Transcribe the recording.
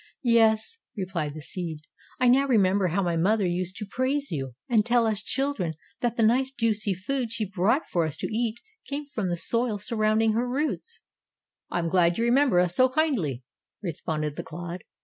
"Yes," replied the seed, "I now remember how my mother used to praise you and tell us children that the nice juicy food she brought for us to eat came from the soil surrounding her roots." "I am glad you can remember us so kindly," responded the clod.